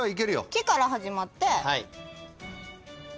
「き」から始まって。